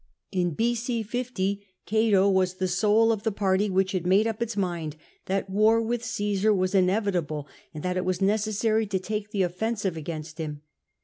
In B.C. 50 Cato was the soul of the party which had made up its mind that war with Caesar was inevitable, and that it was necessary to take the offensive against him.